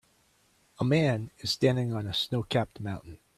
A man is standing on a snowcapped mountain.